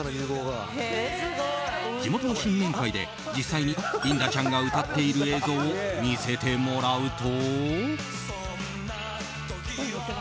地元の新年会で実際にリンダちゃんが歌っている映像を見せてもらうと。